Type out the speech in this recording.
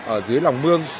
ở dưới lòng mương